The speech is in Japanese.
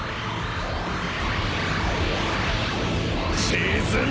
沈め！